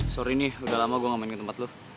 sorry nih udah lama gue ngomongin ke tempat lo